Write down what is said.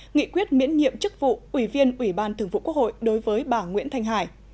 nghị quyết miễn nhiệm chức vụ ủy viên ủy ban thường vụ quốc hội đối với bà nguyễn thanh hải